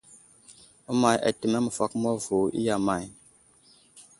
Əmay atəmeŋ məfakoma vo i iya may ?